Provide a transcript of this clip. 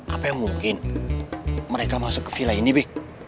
apa yang mungkin mereka masuk ke villa ini bi